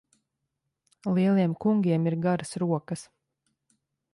Lieliem kungiem ir garas rokas.